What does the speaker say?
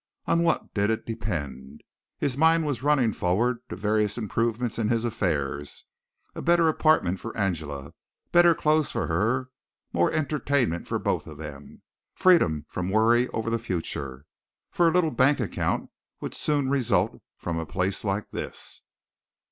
On what did it depend? His mind was running forward to various improvements in his affairs, a better apartment for Angela, better clothes for her, more entertainment for both of them, freedom from worry over the future; for a little bank account would soon result from a place like this.